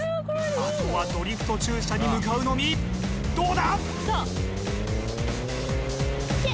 あとはドリフト駐車に向かうのみどうだ！？